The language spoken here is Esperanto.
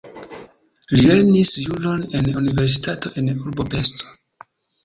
Li lernis juron en universitato en urbo Pest.